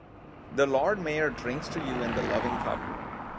The Lord Mayor drinks to you in the loving cup.